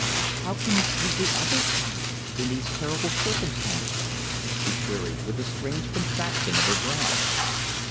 "How can you do otherwise in these terrible circumstances?" she queried, with a strange contraction of her brows.